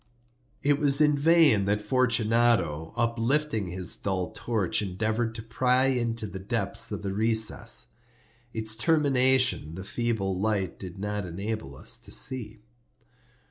It was in vain that Fortunato, uplifting his dull torch, endeavored to pry into the depths of the recess. Its termination the feeble light did not enable us to see.